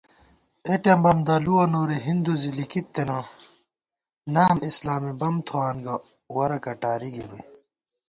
اېٹم بم دلُوَہ نوری ہِندُو زِلِکی تنہ * نام اسلامی بم تھوان گہ ورہ کٹاری گِرُوئی